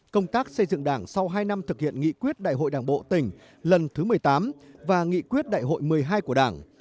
công tác xây dựng đảng sau hai năm thực hiện nghị quyết đại hội đảng bộ tỉnh lần thứ một mươi tám và nghị quyết đại hội một mươi hai của đảng